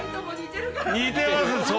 似てます。